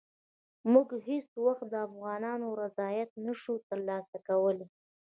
موږ هېڅ وخت د افغانانو رضایت نه شو ترلاسه کولای.